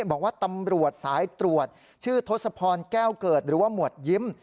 บอกว่าตำรวจสายตรวจชื่อทศพรแก้วเกิดหรือว่าหมวดยิ้ม